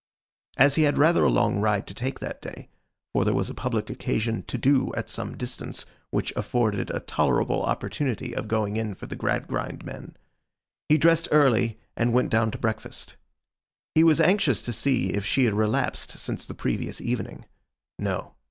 As he had rather a long ride to take that day—for there was a public occasion 'to do' at some distance, which afforded a tolerable opportunity of going in for the Gradgrind men—he dressed early and went down to breakfast. He was anxious to see if she had relapsed since the previous evening. No.